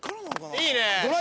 いいね。